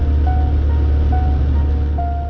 ไปชมพร้อมกันครับ